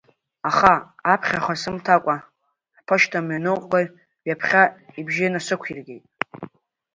Аха аԥхьаха сымҭакәа, аԥошьҭамҩангаҩы ҩаԥхьа ибжьы насықәиргеит…